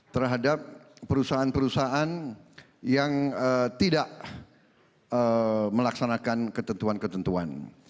terhadap perusahaan perusahaan yang tidak melaksanakan ketentuan ketentuan